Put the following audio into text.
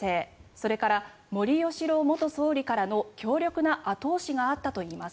それから森喜朗元総理からの強力な後押しがあったといいます。